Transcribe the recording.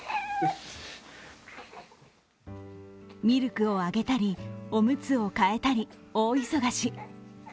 ミルクをあげたり、おむつを替えたり大忙し。